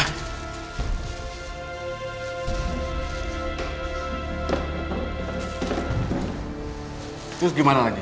hai terus gimana lagi